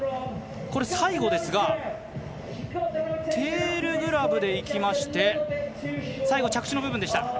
最後ですがテールグラブでいきまして最後、着地の部分でした。